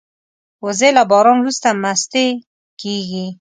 وزې له باران وروسته مستې کېږي